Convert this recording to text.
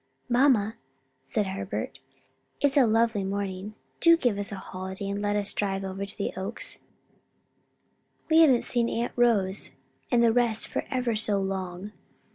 "Mamma," said Herbert, "it's a lovely morning: do give us a holiday and let's drive over to the Oaks; we haven't seen Aunt Rose and the rest for ever so long."